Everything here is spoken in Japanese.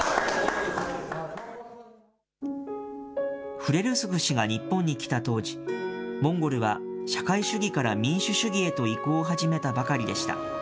フレルスフ氏が日本に来た当時、モンゴルは社会主義から民主主義へと移行を始めたばかりでした。